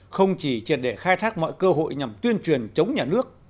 không chỉ triệt để khai thác mọi cơ hội nhằm tuyên truyền chống nhà nước